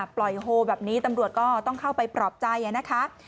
โฮแบบนี้ตำรวจก็ต้องเข้าไปปลอบใจนะคะ